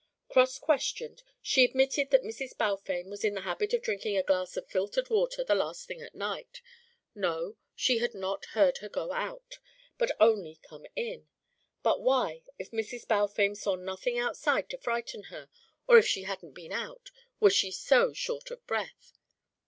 Cross questioned, she admitted that Mrs. Balfame was in the habit of drinking a glass of filtered water the last thing at night. No, she had not heard her go out, but only come in. But why, if Mrs. Balfame saw nothing outside to frighten her, or if she hadn't been out, was she so short of breath?